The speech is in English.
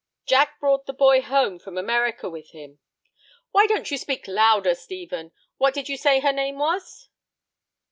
"Jack brought the boy home from America with him." "Why don't you speak louder, Stephen? What did you say her name was?"